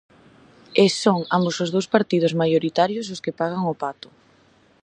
E son ambos os dous partidos maioritarios os que pagan o pato.